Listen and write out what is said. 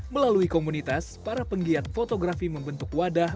melalui komunitas para penggiat fotografi membentuk wadah